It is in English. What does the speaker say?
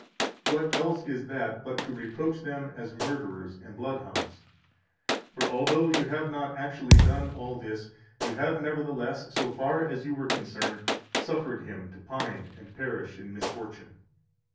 What else is that but to reproach them 192 as murderers and bloodhounds? For although you have not actually done all this, you have nevertheless, so far as you were concerned, suffered him to pine and perish in misfortune.